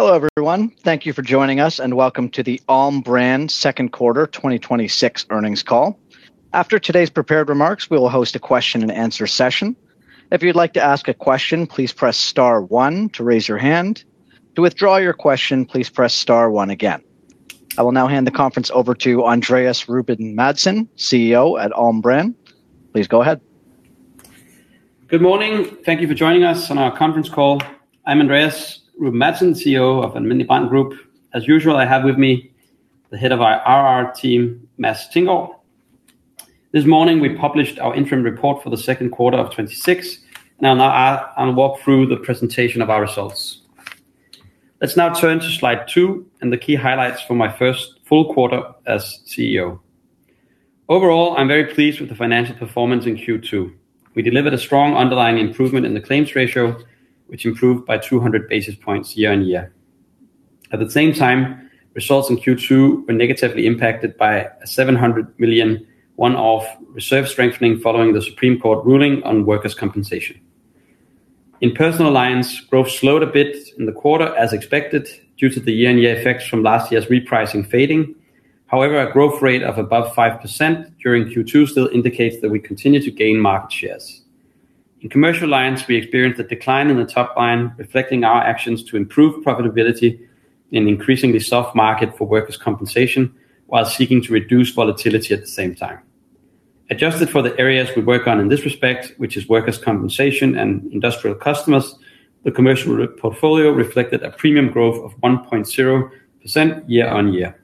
Hello everyone. Thank you for joining us and welcome to the Alm. Brand second quarter 2026 earnings call. After today's prepared remarks, we will host a question and answer session. If you'd like to ask a question, please press star one to raise your hand. To withdraw your question, please press star one again. I will now hand the conference over to Andreas Ruben Madsen, CEO at Alm. Brand. Please go ahead. Good morning. Thank you for joining us on our conference call. I'm Andreas Ruben Madsen, CEO of Alm. Brand Group. As usual, I have with me the Head of our IR team, Mads Thinggaard. This morning we published our interim report for the second quarter of 2026. I'll now walk through the presentation of our results. Let's now turn to slide two and the key highlights for my first full quarter as CEO. Overall, I'm very pleased with the financial performance in Q2. We delivered a strong underlying improvement in the claims ratio, which improved by 200 basis points year-on-year. At the same time, results in Q2 were negatively impacted by a 700 million, one-off reserve strengthening following the Supreme Court of Denmark ruling on workers' compensation. In Personal Lines, growth slowed a bit in the quarter as expected due to the year-on-year effects from last year's repricing fading. However, a growth rate of above 5% during Q2 still indicates that we continue to gain market shares. In Commercial Lines, we experienced a decline in the top line, reflecting our actions to improve profitability in an increasingly soft market for workers' compensation while seeking to reduce volatility at the same time. Adjusted for the areas we work on in this respect, which is workers' compensation and industrial customers, the commercial portfolio reflected a premium growth of 1.0% year-on-year.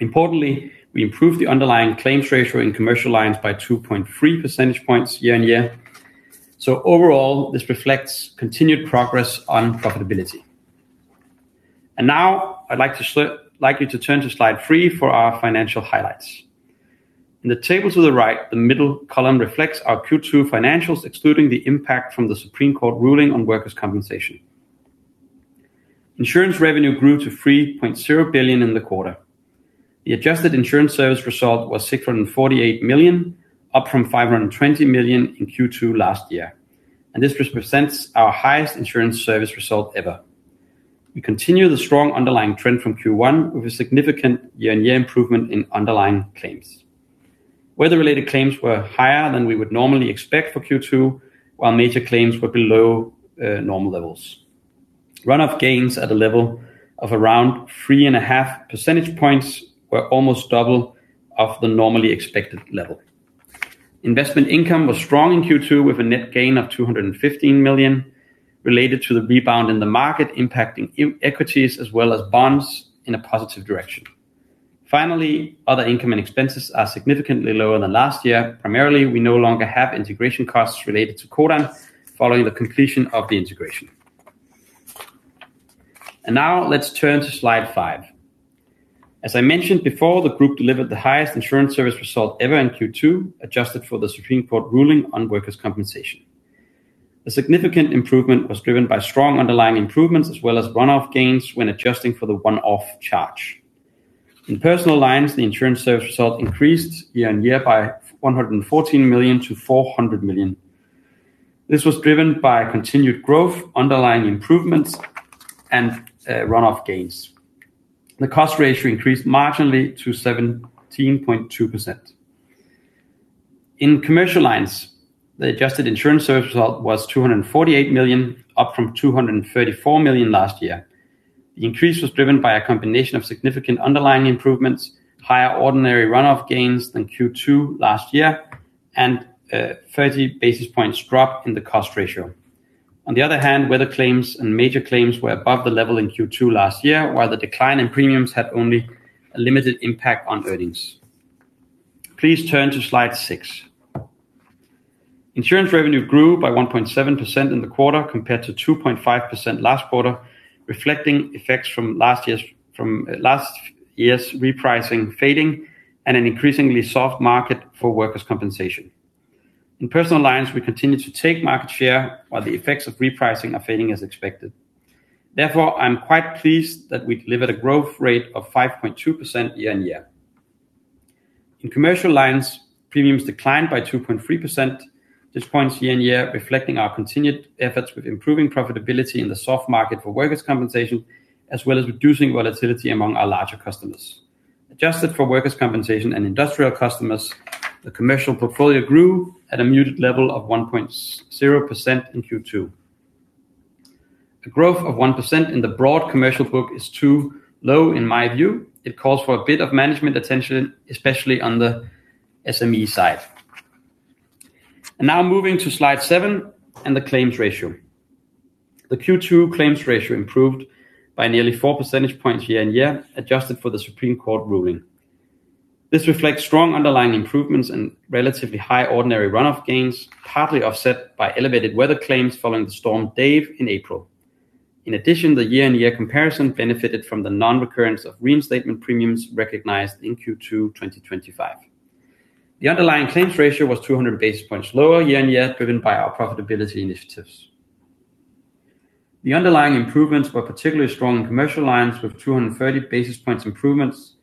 Importantly, I improved the underlying claims ratio in Commercial Lines by 2.3 percentage points year-on-year. Overall, this reflects continued progress on profitability. Now I'd like you to turn to slide three for our financial highlights. In the table to the right, the middle column reflects our Q2 financials, excluding the impact from the Supreme Court of Denmark ruling on workers' compensation. Insurance revenue grew to 3.0 billion in the quarter. The adjusted insurance service result was 648 million, up from 520 million in Q2 last year. This represents our highest insurance service result ever. We continue the strong underlying trend from Q1 with a significant year-on-year improvement in underlying claims. Weather-related claims were higher than we would normally expect for Q2, while major claims were below normal levels. Run-off gains at a level of around 3.5 percentage points were almost double of the normally expected level. Investment income was strong in Q2 with a net gain of 215 million related to the rebound in the market, impacting equities as well as bonds in a positive direction. Other income and expenses are significantly lower than last year. Primarily, we no longer have integration costs related to Codan following the completion of the integration. Now let's turn to slide five. As I mentioned before, the group delivered the highest insurance service result ever in Q2, adjusted for the Supreme Court ruling on workers' compensation. A significant improvement was driven by strong underlying improvements as well as run-off gains when adjusting for the one-off charge. In Personal Lines, the insurance service result increased year-on-year by 114 million-400 million. This was driven by continued growth, underlying improvements, and run-off gains. The cost ratio increased marginally to 17.2%. In Commercial Lines, the adjusted insurance service result was 248 million, up from 234 million last year. The increase was driven by a combination of significant underlying improvements, higher ordinary run-off gains than Q2 last year, and a 30 basis points drop in the cost ratio. On the other hand, weather claims and major claims were above the level in Q2 last year, while the decline in premiums had only a limited impact on earnings. Please turn to slide six. Insurance revenue grew by 1.7% in the quarter compared to 2.5% last quarter, reflecting effects from last year's repricing fading, and an increasingly soft market for workers' compensation. In Personal Lines, we continue to take market share while the effects of repricing are fading as expected. Therefore, I am quite pleased that we delivered a growth rate of 5.2% year-on-year. In Commercial Lines, premiums declined by 2.3% this point year-on-year, reflecting our continued efforts with improving profitability in the soft market for workers' compensation, as well as reducing volatility among our larger customers. Adjusted for workers' compensation and industrial customers, the commercial portfolio grew at a muted level of 1.0% in Q2. A growth of 1% in the broad commercial book is too low in my view. It calls for a bit of management attention, especially on the SME side. Now moving to slide seven and the claims ratio. The Q2 claims ratio improved by nearly 4 percentage points year-on-year, adjusted for the Supreme Court ruling. This reflects strong underlying improvements in relatively high ordinary run-off gains, partly offset by elevated weather claims following the storm Dave in April. In addition, the year-on-year comparison benefited from the non-recurrence of reinstatement premiums recognized in Q2 2025. The underlying claims ratio was 200 basis points lower year-on-year, driven by our profitability initiatives. The underlying improvements were particularly strong in Commercial Lines with 230 basis points improvements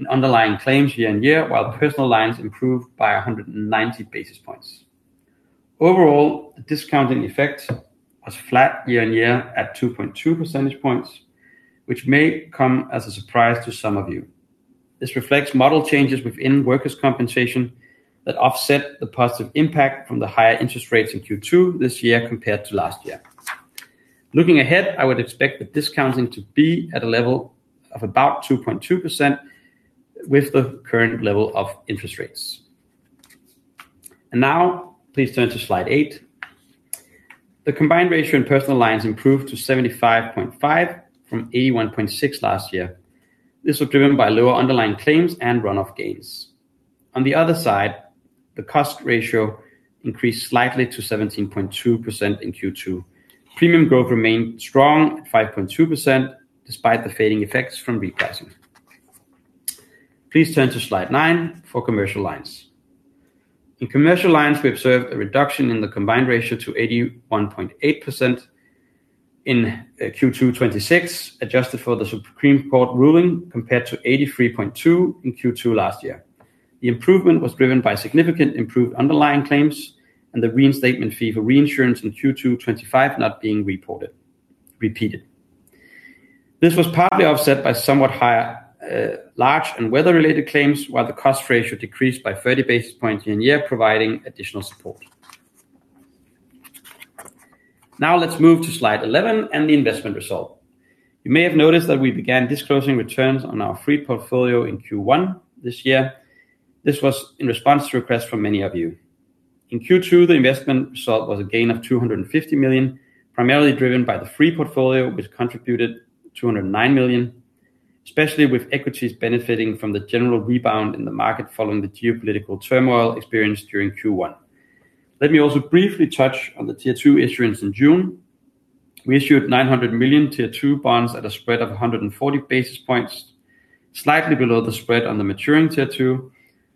in underlying claims year-on-year, while the Personal Lines improved by 190 basis points. Overall, the discounting effect was flat year-on-year at 2.2 percentage points, which may come as a surprise to some of you. This reflects model changes within workers' compensation that offset the positive impact from the higher interest rates in Q2 this year compared to last year. Looking ahead, I would expect the discounting to be at a level of about 2.2% with the current level of interest rates. Now please turn to slide eight. The combined ratio in Personal Lines improved to 75.5% from 81.6% last year. This was driven by lower underlying claims and run-off gains. The cost ratio increased slightly to 17.2% in Q2. Premium growth remained strong at 5.2%, despite the fading effects from repricing. Please turn to slide nine for Commercial Lines. In Commercial Lines, we observed a reduction in the combined ratio to 81.8% in Q2 2026, adjusted for the Supreme Court ruling, compared to 83.2% in Q2 last year. The improvement was driven by significant improved underlying claims and the reinstatement fee for reinsurance in Q2 2025 not being repeated. This was partly offset by somewhat higher large and weather-related claims, while the cost ratio decreased by 30 basis points year-on-year, providing additional support. Let's move to slide 11 and the investment result. You may have noticed that we began disclosing returns on our free portfolio in Q1 this year. This was in response to requests from many of you. In Q2, the investment result was a gain of 250 million, primarily driven by the free portfolio, which contributed 209 million, especially with equities benefiting from the general rebound in the market following the geopolitical turmoil experienced during Q1. Let me also briefly touch on the Tier-2 issuance in June. We issued 900 million Tier-2 bonds at a spread of 140 basis points, slightly below the spread on the maturing Tier-2.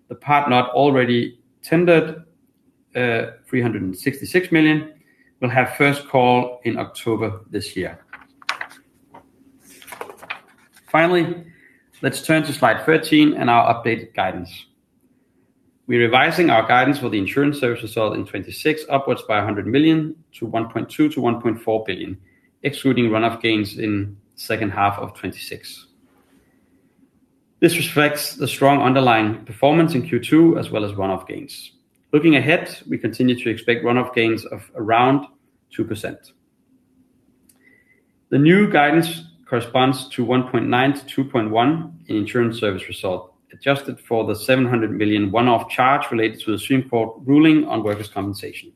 The part not already tendered, 366 million, will have first call in October this year. Let's turn to slide 13 and our updated guidance. We're revising our guidance for the insurance service result in 2026 upwards by 100 million to 1.2 billion-1.4 billion, excluding run-off gains in the second half of 2026. This reflects the strong underlying performance in Q2 as well as run-off gains. Looking ahead, we continue to expect run-off gains of around 2%. The new guidance corresponds to 1.9 billion-2.1 billion in insurance service result, adjusted for the 700 million one-off charge related to the Supreme Court ruling on workers' compensation.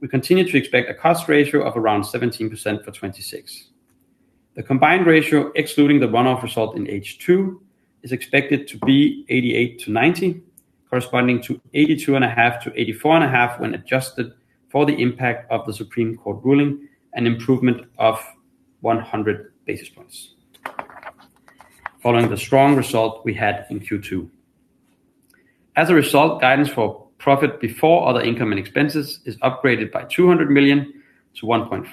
We continue to expect a cost ratio of around 17% for 2026. The combined ratio, excluding the one-off result in H2, is expected to be 88%-90%, corresponding to 82.5%-84.5% when adjusted for the impact of the Supreme Court ruling, an improvement of 100 basis points following the strong result we had in Q2. Guidance for profit before other income and expenses is upgraded by 200 million to 1.45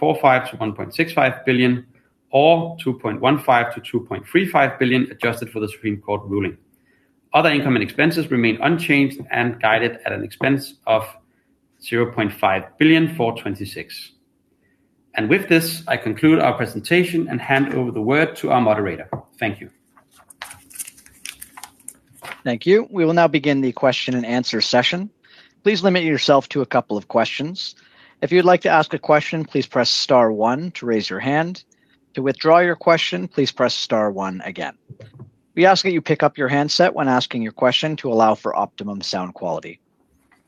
billion-1.65 billion or 2.15 billion-2.35 billion, adjusted for the Supreme Court ruling. Other income and expenses remain unchanged and guided at an expense of 0.5 billion for 2026. With this, I conclude our presentation and hand over the word to our moderator. Thank you. Thank you. We will now begin the question and answer session. Please limit yourself to a couple of questions. If you'd like to ask a question, please press star one to raise your hand. To withdraw your question, please press star one again. We ask that you pick up your handset when asking your question to allow for optimum sound quality.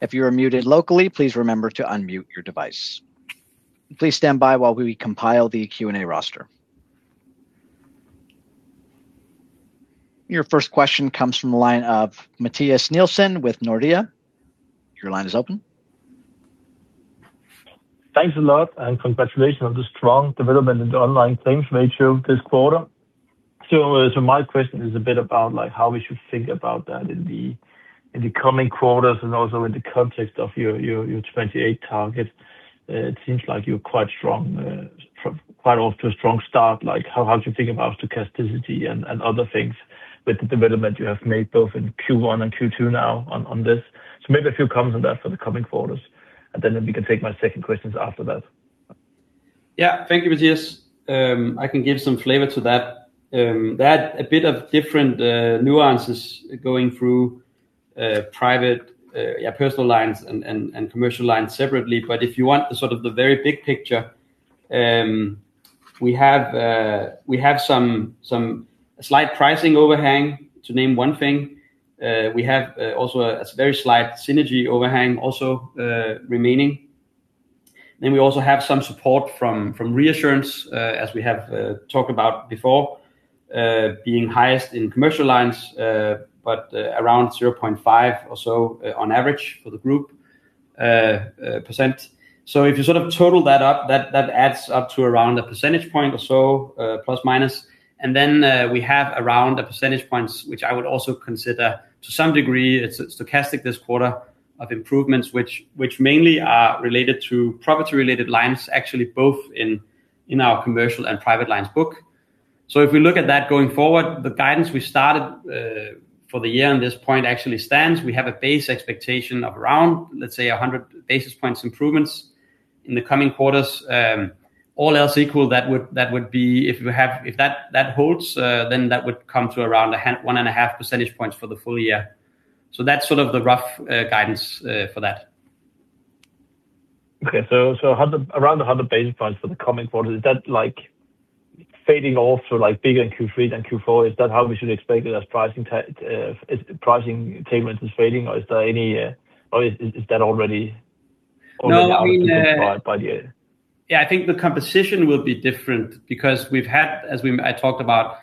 If you are muted locally, please remember to unmute your device. Please stand by while we compile the Q&A roster. Your first question comes from the line of Mathias Nielsen with Nordea. Your line is open. Thanks a lot. Congratulations on the strong development in the underlying claims ratio this quarter. My question is a bit about how we should think about that in the coming quarters and also in the context of your 2028 targets. It seems like you're quite off to a strong start. How do you think about stochasticity and other things with the development you have made both in Q1 and Q2 now on this? Maybe a few comments on that for the coming quarters, and then we can take my second questions after that. Thank you, Mathias. I can give some flavor to that. They had a bit of different nuances going through Personal Lines and Commercial Lines separately. If you want the very big picture, we have some slight pricing overhang, to name one thing. We have also a very slight synergy overhang also remaining. We also have some support from reinsurance, as we have talked about before, being highest in Commercial Lines, but around 0.5% or so on average for the group percent. If you total that up, that adds up to around a percentage point or so ±. We have around a percentage points, which I would also consider to some degree it's stochastic this quarter of improvements, which mainly are related to property-related lines, actually both in our Commercial and Personal Lines book. If we look at that going forward, the guidance we started for the year on this point actually stands. We have a base expectation of around, let's say, 100 basis points improvements in the coming quarters. All else equal, if that holds, then that would come to around 1.5 percentage points for the full year. That's sort of the rough guidance for that. Okay. Around 100 basis points for the coming quarter. Is that fading off, bigger in Q3 than Q4? Is that how we should expect it as pricing takeaways is fading? Or is that already- No. out by the year? Yeah, I think the composition will be different because we've had, as I talked about,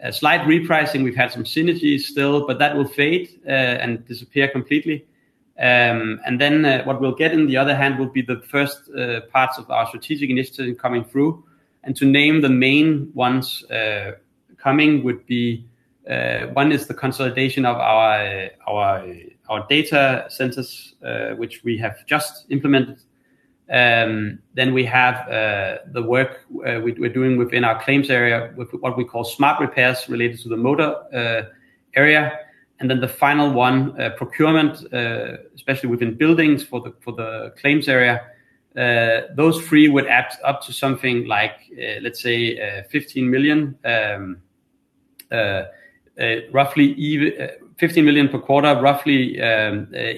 a slight repricing. We've had some synergies still, but that will fade and disappear completely. What we'll get on the other hand will be the first parts of our strategic initiative coming through. To name the main ones coming would be, one is the consolidation of our data centers, which we have just implemented. We have the work we're doing within our claims area with what we call smart repairs related to the motor area. The final one, procurement, especially within buildings for the claims area. Those three would add up to something like, let's say, 15 million per quarter, roughly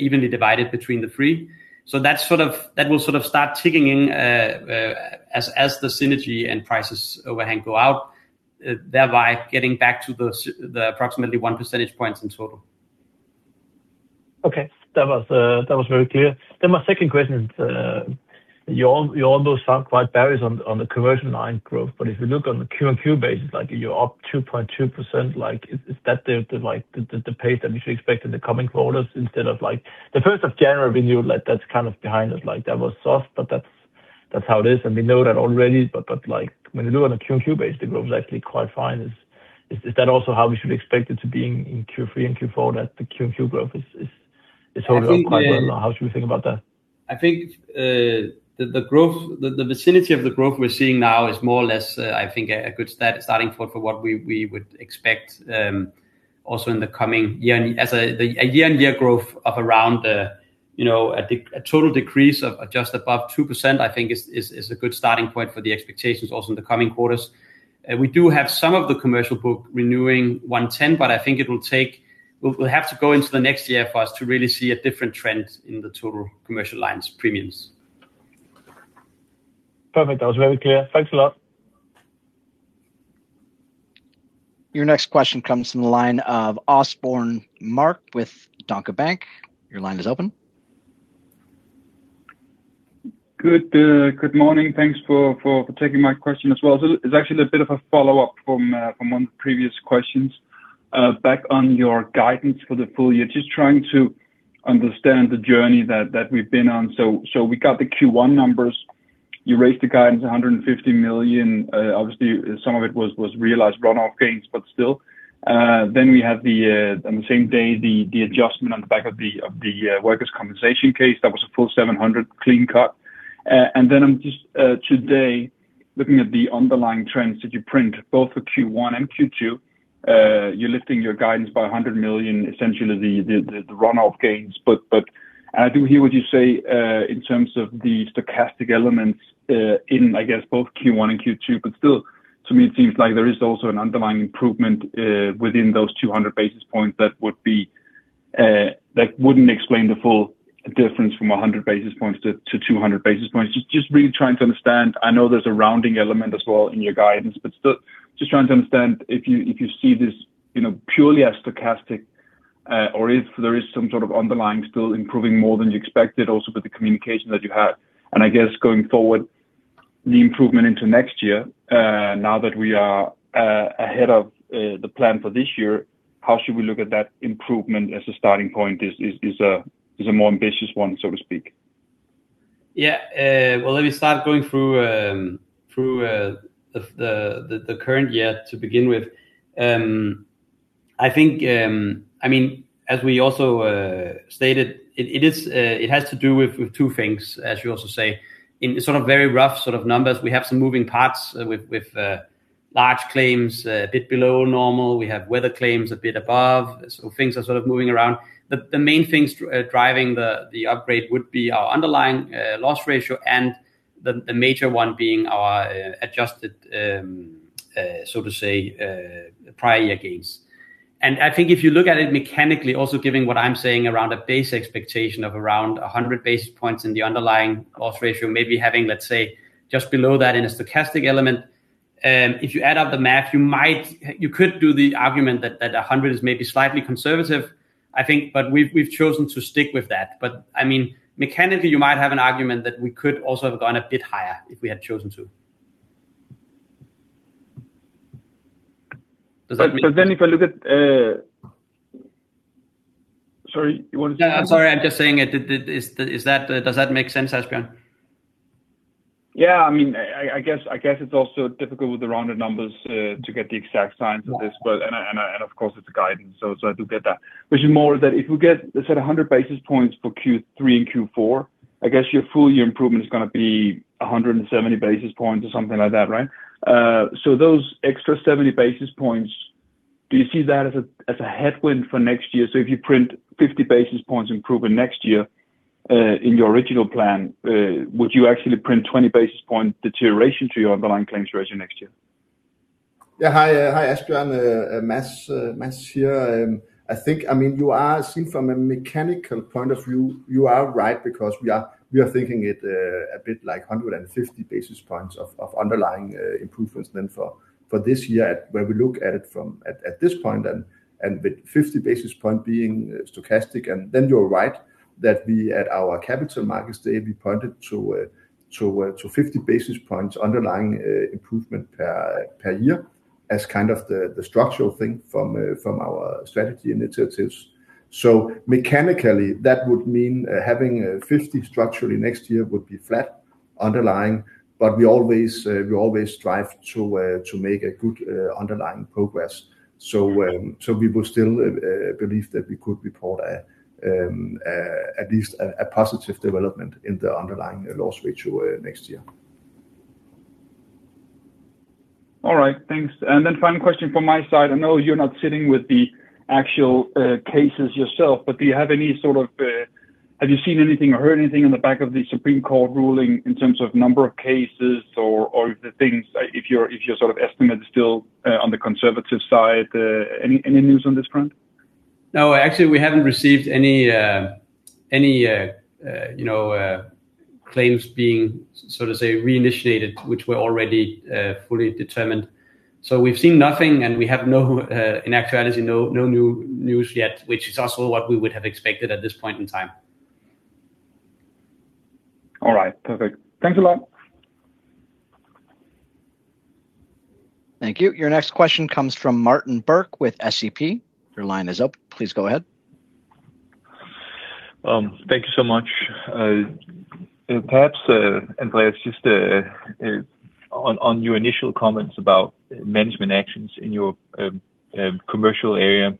evenly divided between the three. That will sort of start ticking in as the synergy and prices overhang go out, thereby getting back to the approximately one percentage points in total. Okay. That was very clear. My second question is, you almost sound quite bearish on the Commercial Lines growth, but if you look on the QoQ basis, you are up 2.2%. Is that the pace that we should expect in the coming quarters instead of, like, the 1st of January, we knew that is kind of behind us. That was soft, but that is how it is, and we know that already. But when you look on a QoQ base, the growth is actually quite fine. Is that also how we should expect it to be in Q3 and Q4, that the QoQ growth is holding up quite well? Or how should we think about that? I think the vicinity of the growth we are seeing now is more or less, I think, a good starting point for what we would expect also in the coming year. As a year-on-year growth of around a total decrease of just above 2% I think is a good starting point for the expectations also in the coming quarters. We do have some of the Commercial Lines book renewing 110%, but I think it will have to go into the next year for us to really see a different trend in the total Commercial Lines premiums. Perfect. That was very clear. Thanks a lot. Your next question comes from the line of Asbjørn Mørk with Danske Bank. Your line is open. Good morning. Thanks for taking my question as well. It's actually a bit of a follow-up from one of the previous questions. Back on your guidance for the full year. Just trying to understand the journey that we've been on. We got the Q1 numbers. You raised the guidance 150 million. Obviously, some of it was realized runoff gains, but still. We had, on the same day, the adjustment on the back of the workers' compensation case. That was a full 700 million clean cut. I'm just today looking at the underlying trends that you print both for Q1 and Q2. You're lifting your guidance by 100 million, essentially the runoff gains. I do hear what you say in terms of the stochastic elements in, I guess, both Q1 and Q2. Still, to me, it seems like there is also an underlying improvement within those 200 basis points that wouldn't explain the full difference from 100 basis points-200 basis points. Just really trying to understand. I know there's a rounding element as well in your guidance, still just trying to understand if you see this purely as stochastic? Or if there is some sort of underlying still improving more than you expected also with the communication that you had? I guess going forward, the improvement into next year, now that we are ahead of the plan for this year. How should we look at that improvement as a starting point is a more ambitious one, so to speak? Well, let me start going through the current year to begin with. As we also stated, it has to do with two things, as you also say. In sort of very rough sort of numbers, we have some moving parts with large claims a bit below normal. We have weather claims a bit above. Things are sort of moving around. The main things driving the upgrade would be our underlying loss ratio and the major one being our adjusted, so to say prior year gains. I think if you look at it mechanically, also given what I'm saying around a base expectation of around 100 basis points in the underlying loss ratio, maybe having, let's say, just below that in a stochastic element. If you add up the math, you could do the argument that 100 is maybe slightly conservative, I think, we've chosen to stick with that. Mechanically, you might have an argument that we could also have gone a bit higher if we had chosen to. If I look at sorry, you wanted to say? No, I'm sorry. I'm just saying, does that make sense, Asbjørn? Yeah. I guess it's also difficult with the rounded numbers to get the exact science of this. Of course, it's a guidance, so I do get that. It's more that if we get, let's say, 100 basis points for Q3 and Q4, I guess your full year improvement is going to be 170 basis points or something like that, right? Those extra 70 basis points Do you see that as a headwind for next year? If you print 50 basis points improvement next year in your original plan, would you actually print 20 basis point deterioration to your underlying claims ratio next year? Yeah. Hi, Asbjørn. Mads here. I think, you are seeing from a mechanical point of view, you are right because we are thinking it a bit like 150 basis points of underlying improvements than for this year where we look at it from at this point and with 50 basis point being stochastic. You are right that we at our Capital Markets Day, we pointed to 50 basis points underlying improvement per year as kind of the structural thing from our strategy initiatives. Mechanically, that would mean having 50 structurally next year would be flat underlying, but we always strive to make a good underlying progress. We will still believe that we could report at least a positive development in the underlying loss ratio next year. All right. Thanks. Final question from my side. I know you're not sitting with the actual cases yourself, but have you seen anything or heard anything on the back of the Supreme Court ruling in terms of number of cases or if your estimate is still on the conservative side? Any news on this front? No, actually we haven't received any claims being sort of say, re-initiated, which were already fully determined. We've seen nothing and we have in actuality, no new news yet, which is also what we would have expected at this point in time. All right. Perfect. Thanks a lot. Thank you. Your next question comes from Martin Birk with SEB. Your line is up. Please go ahead. Thank you so much. Perhaps, Andreas, just on your initial comments about management actions in your Commercial area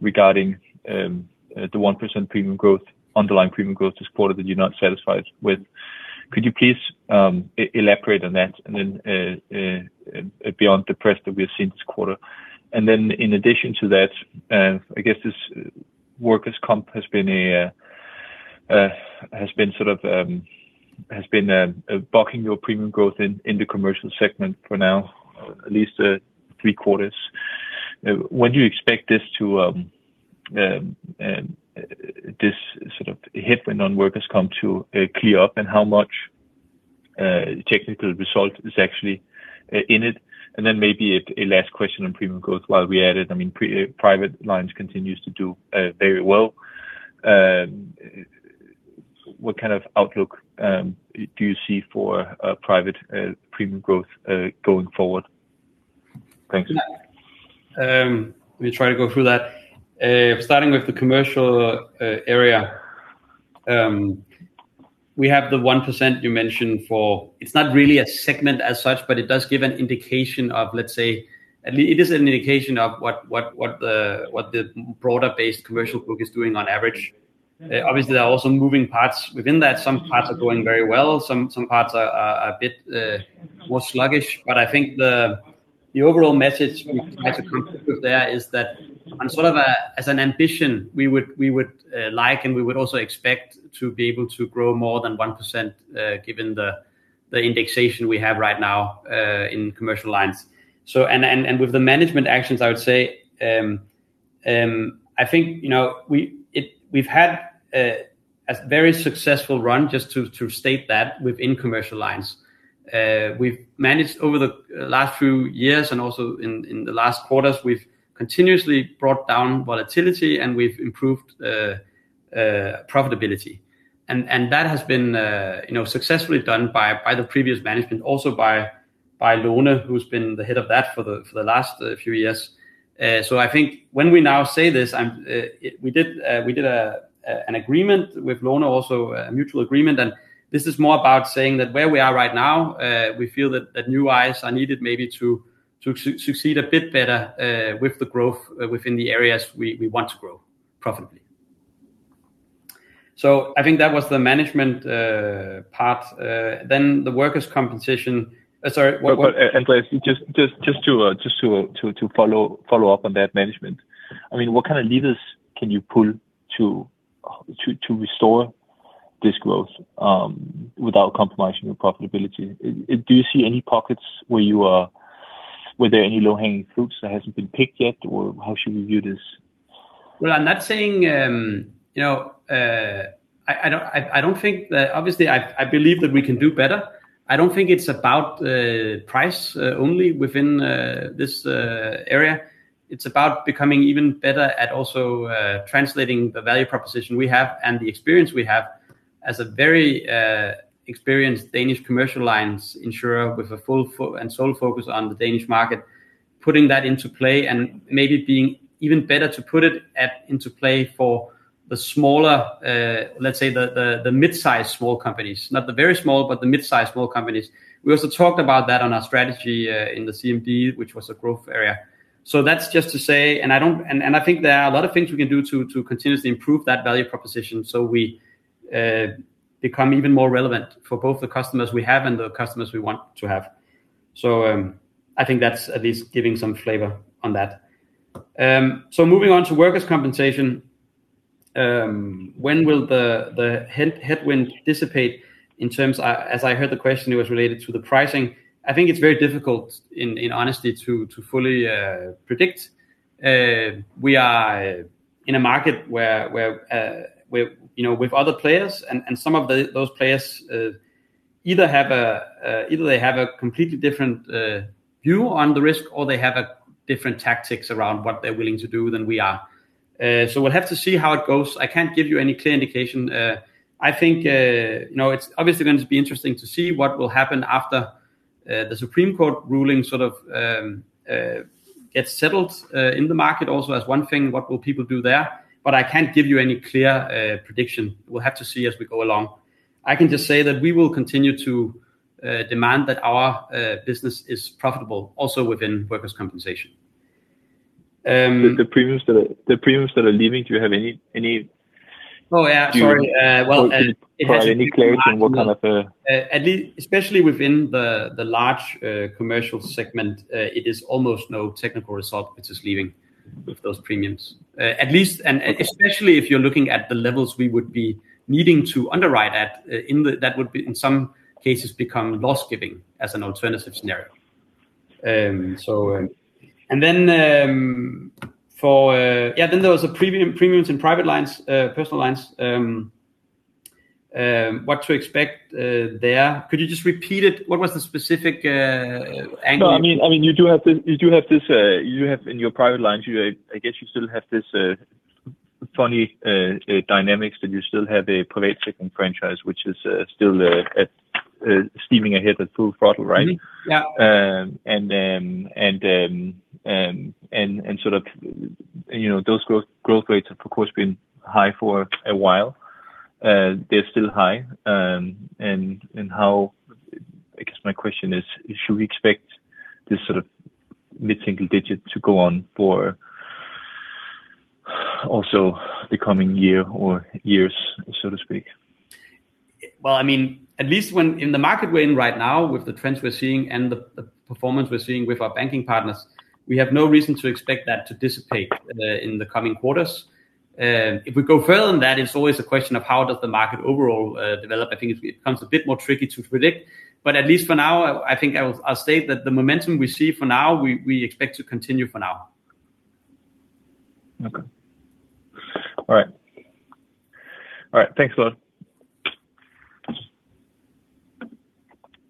regarding the 1% premium growth, underlying premium growth this quarter that you're not satisfied with. Beyond the press that we have seen this quarter? In addition to that, I guess this workers' comp has been bucking your premium growth in the commercial segment for now at least three quarters. When do you expect this sort of headwind on workers' comp to clear up, and how much technical result is actually in it? Maybe a last question on premium growth while we're at it. Private lines continues to do very well. What kind of outlook do you see for private premium growth going forward? Thanks. Let me try to go through that. Starting with the Commercial area. We have the 1% you mentioned for, it's not really a segment as such, but it is an indication of what the broader based commercial book is doing on average. Obviously, there are also moving parts within that. Some parts are doing very well. Some parts are a bit more sluggish. I think the overall message we try to convey there is that on sort of a, as an ambition, we would like and we would also expect to be able to grow more than 1% given the indexation we have right now in Commercial Lines. With the management actions, I would say, I think we've had a very successful run just to state that within Commercial Lines. We've managed over the last few years and also in the last quarters, we've continuously brought down volatility and we've improved profitability. That has been successfully done by the previous management also by Lone, who's been the head of that for the last few years. I think when we now say this, we did an agreement with Lone, also a mutual agreement, this is more about saying that where we are right now, we feel that new eyes are needed maybe to succeed a bit better with the growth within the areas we want to grow profitably. I think that was the management part. The workers' compensation. Andreas, just to follow up on that management. What kind of levers can you pull to restore this growth without compromising your profitability? Do you see any pockets where there are any low hanging fruits that hasn't been picked yet, or how should we view this? Well, obviously I believe that we can do better. I don't think it's about price only within this area. It's about becoming even better at also translating the value proposition we have and the experience we have as a very experienced Danish Commercial Lines insurer with a full and sole focus on the Danish market, putting that into play and maybe it being even better to put it into play for the smaller, let's say the mid-size small companies. Not the very small, but the mid-size small companies. We also talked about that on our strategy in the CMD, which was a growth area. That's just to say, and I think there are a lot of things we can do to continuously improve that value proposition so we become even more relevant for both the customers we have and the customers we want to have. I think that's at least giving some flavor on that. Moving on to workers' compensation. When will the headwind dissipate in terms, as I heard the question, it was related to the pricing. I think it's very difficult, in honesty, to fully predict. We are in a market where with other players, and some of those players either they have a completely different view on the risk, or they have different tactics around what they're willing to do than we are. We'll have to see how it goes. I can't give you any clear indication. I think it's obviously going to be interesting to see what will happen after the Supreme Court ruling sort of gets settled in the market also as one thing. What will people do there? I can't give you any clear prediction. We'll have to see as we go along. I can just say that we will continue to demand that our business is profitable also within workers' compensation. The premiums that are leaving, do you have any view? Oh, yeah, sorry. File any claims. Especially within the large commercial segment, it is almost no technical result which is leaving with those premiums. At least, especially if you're looking at the levels we would be needing to underwrite at. That would, in some cases, become loss giving as an alternative scenario. There was premiums in private lines, Personal Lines. What to expect there? Could you just repeat it? What was the specific angle? No, you do have in your private lines, I guess you still have this funny dynamics that you still have a private second franchise which is still steaming ahead at full throttle, right? Yeah. Sort of those growth rates have, of course, been high for a while. They're still high. I guess my question is, should we expect this sort of mid-single digit to go on for also the coming year or years, so to speak? Well, at least in the market we're in right now, with the trends we're seeing and the performance we're seeing with our banking partners, we have no reason to expect that to dissipate in the coming quarters. If we go further than that, it's always a question of how does the market overall develop. I think it becomes a bit more tricky to predict. At least for now, I think I'll state that the momentum we see for now, we expect to continue for now. Okay. All right. Thanks a lot.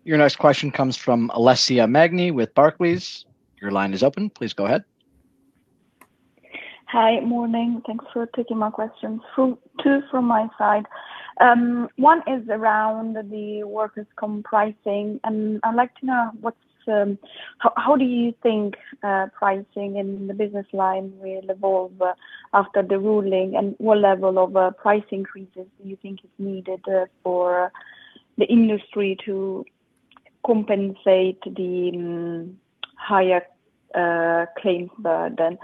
Your next question comes from Alessia Magni with Barclays. Your line is open. Please go ahead. Hi. Morning. Thanks for taking my questions. Two from my side. One is around the workers' comp pricing. I'd like to know how do you think pricing in the business line will evolve after the ruling, and what level of price increases do you think is needed for the industry to compensate the higher claims burden?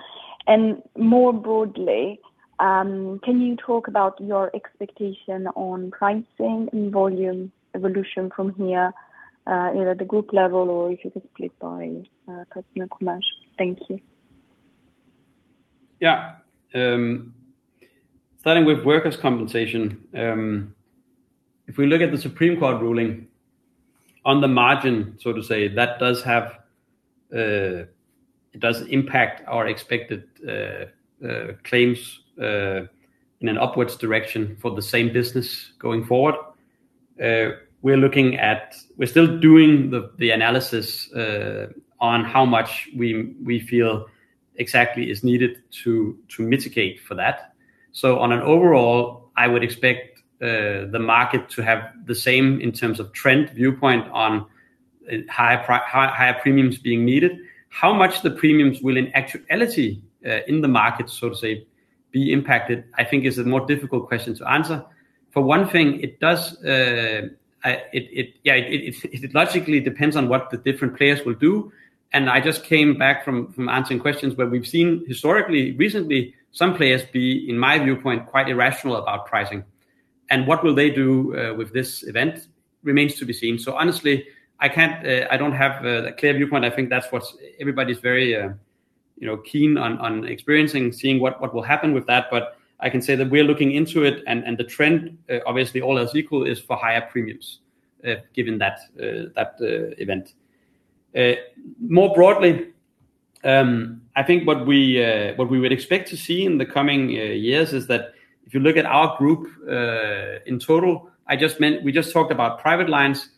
More broadly, can you talk about your expectation on pricing and volume evolution from here, either at the group level or if you could split by Personal Commercial? Thank you. Starting with workers' compensation. If we look at the Supreme Court ruling on the margin, so to say, that does impact our expected claims in an upwards direction for the same business going forward. We're still doing the analysis on how much we feel exactly is needed to mitigate for that. On an overall, I would expect the market to have the same in terms of trend viewpoint on higher premiums being needed. How much the premiums will in actuality in the market, so to say, be impacted, I think is a more difficult question to answer. For one thing, it logically depends on what the different players will do, and I just came back from answering questions where we've seen historically, recently, some players be, in my viewpoint, quite irrational about pricing. What will they do with this event remains to be seen. Honestly, I don't have a clear viewpoint. I think that's what everybody's very keen on experiencing, seeing what will happen with that. I can say that we are looking into it, and the trend, obviously all else equal, is for higher premiums given that event. More broadly, I think what we would expect to see in the coming years is that if you look at our group in total, we just talked about Personal Lines.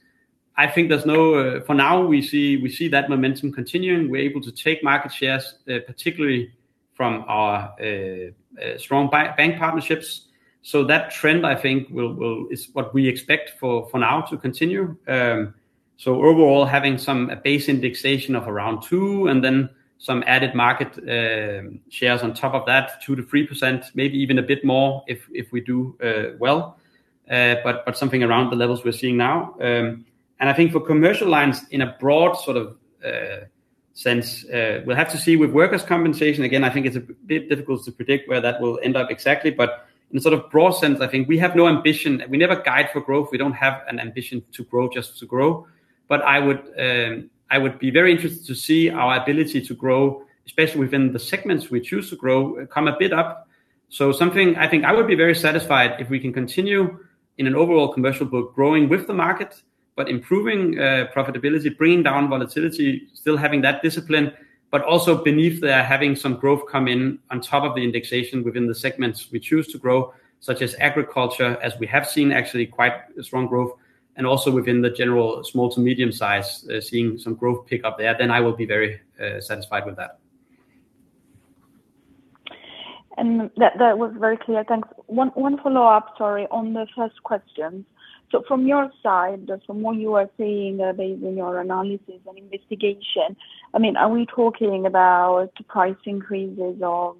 I think for now, we see that momentum continuing. We're able to take market shares, particularly from our strong bank partnerships. That trend, I think, is what we expect for now to continue. Overall, having some base indexation of around two, and then some added market shares on top of that, 2%-3%, maybe even a bit more if we do well. But something around the levels we're seeing now. I think for Commercial Lines, since we'll have to see with workers' compensation, again, I think it's a bit difficult to predict where that will end up exactly, in sort of broad sense, I think we have no ambition. We never guide for growth. We don't have an ambition to grow just to grow. I would be very interested to see our ability to grow, especially within the segments we choose to grow, come a bit up. Something I think I would be very satisfied if we can continue in an overall commercial book growing with the market, but improving profitability, bringing down volatility, still having that discipline. Also beneath there, having some growth come in on top of the indexation within the segments we choose to grow, such as agriculture, as we have seen actually quite strong growth, and also within the general small to medium size, seeing some growth pick up there. I will be very satisfied with that. That was very clear. Thanks. One follow-up, sorry, on the first question. From your side, from what you are seeing based on your analysis and investigation, are we talking about price increases of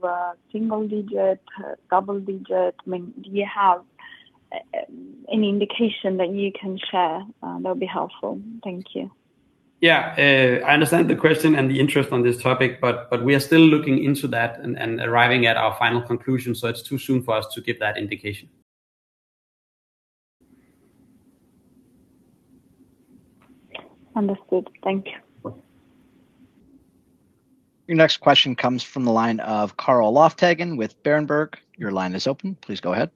single digit, double digit? Do you have any indication that you can share that would be helpful? Thank you. Yeah. I understand the question and the interest on this topic, we are still looking into that and arriving at our final conclusion, it is too soon for us to give that indication. Understood. Thank you. Your next question comes from the line of Carl Lofthagen with Berenberg. Your line is open. Please go ahead.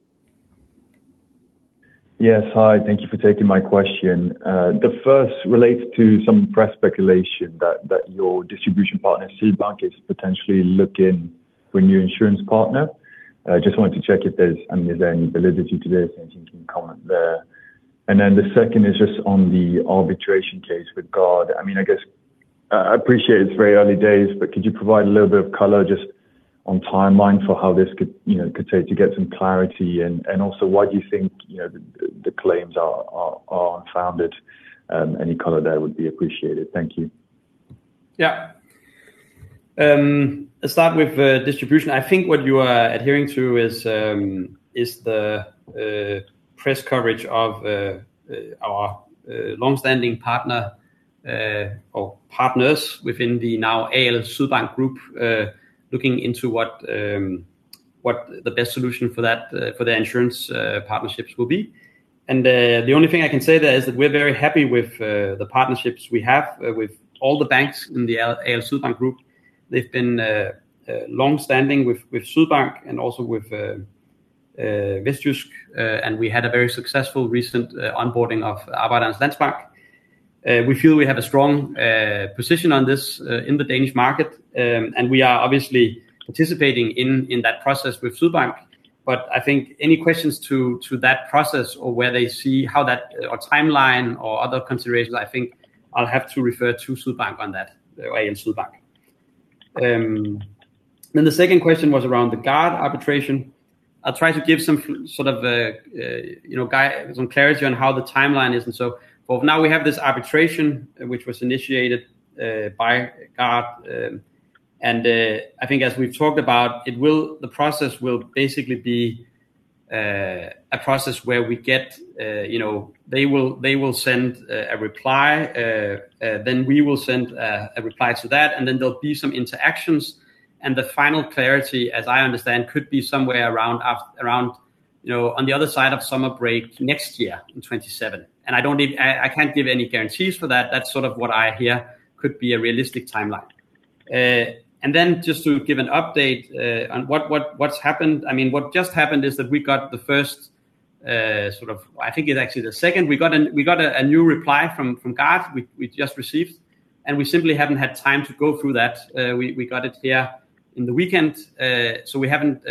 Yes, hi. Thank you for taking my question. The first relates to some press speculation that your distribution partner, Sydbank, is potentially looking for a new insurance partner. I just wanted to check if there is any validity to this, if you can comment there. Then the second is just on the arbitration case with Gard. I appreciate it is very early days, but could you provide a little bit of color just on timeline for how this could take to get some clarity? Also why do you think the claims are unfounded? Any color there would be appreciated. Thank you. Let's start with distribution. I think what you are adhering to is the press coverage of our long-standing partner or partners within the now AL Sydbank Group, looking into what the best solution for the insurance partnerships will be. The only thing I can say there is that we're very happy with the partnerships we have with all the banks in the AL Sydbank Group. They've been long-standing with Sydbank and also with Vestjysk, and we had a very successful recent onboarding of Arbejdernes Landsbank. We feel we have a strong position on this in the Danish market, and we are obviously participating in that process with Sydbank. I think any questions to that process or where they see how that or timeline or other considerations, I think I'll have to refer to Sydbank on that, AL Sydbank. The second question was around the Gard arbitration. I'll try to give some sort of clarity on how the timeline is. For now we have this arbitration which was initiated by Gard. I think as we've talked about, the process will basically be a process where we get. They will send a reply, then we will send a reply to that, and then there'll be some interactions. The final clarity, as I understand, could be somewhere around on the other side of summer break next year in 2027. I can't give any guarantees for that. That's sort of what I hear could be a realistic timeline. Just to give an update on what's happened. What just happened is that we got the first sort of, I think it's actually the second. We got a new reply from Gard we just received, and we simply haven't had time to go through that. We got it here in the weekend, so we haven't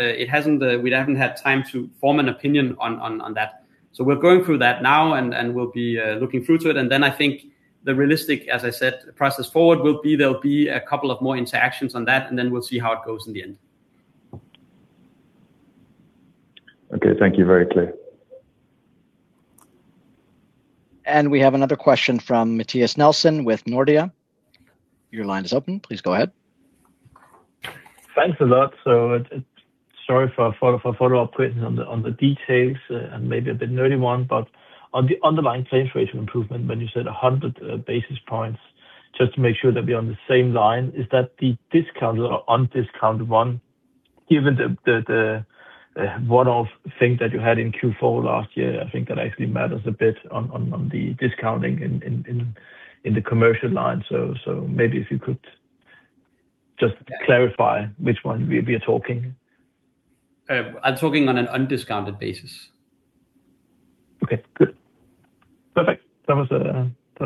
had time to form an opinion on that. We're going through that now, and we'll be looking through to it. I think the realistic, as I said, process forward will be there'll be a couple of more interactions on that, and then we'll see how it goes in the end. Okay. Thank you. Very clear. We have another question from Mathias Nielsen with Nordea. Your line is open. Please go ahead. Thanks a lot. Sorry for follow-up questions on the details and maybe a bit nerdy one, but on the underlying claims rate of improvement, when you said 100 basis points, just to make sure that we're on the same line. Is that the discounted or undiscounted one? Given the one-off thing that you had in Q4 last year, I think that actually matters a bit on the discounting in the Commercial Lines. Maybe if you could just clarify which one we are talking. I'm talking on an undiscounted basis. Okay, good. Perfect. Thought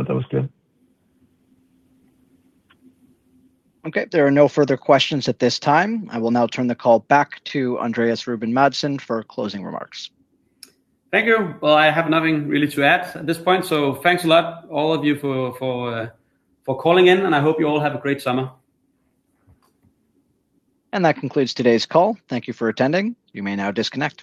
that was clear. Okay. There are no further questions at this time. I will now turn the call back to Andreas Ruben Madsen for closing remarks. Thank you. Well, I have nothing really to add at this point, thanks a lot all of you for calling in, I hope you all have a great summer. That concludes today's call. Thank you for attending. You may now disconnect.